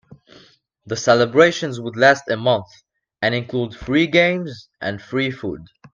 The celebrations would last a month and include free games and free food.